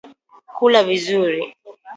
kula vizuri